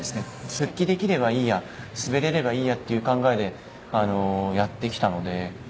復帰できればいいや滑られればいいやっていう気持ちでやってきたので。